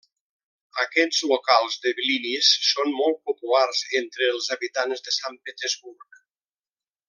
Aquests locals de blinis són molt populars entre els habitants de Sant Petersburg.